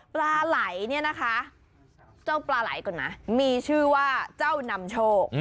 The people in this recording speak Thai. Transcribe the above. ปลาไหลเนี่ยนะคะเจ้าปลาไหลก่อนนะมีชื่อว่าเจ้านำโชค